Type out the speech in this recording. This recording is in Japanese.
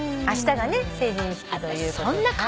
あしたがね成人式ということで。